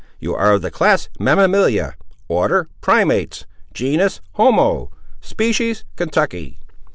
You are of the class, mammalia; order, primates; genus, homo; species, Kentucky."